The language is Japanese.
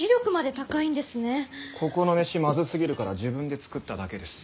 ここの飯まずすぎるから自分で作っただけです。